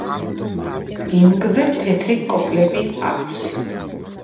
დინგზე თეთრი კოპლები აქვს.